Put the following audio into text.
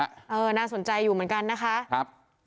คุณน่าสนใจอยู่เหมือนกันนะฮะ